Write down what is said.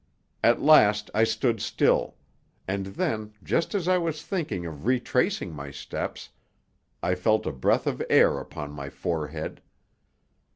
At last I stood still; and then, just as I was thinking of retracing my steps, I felt a breath of air upon my forehead.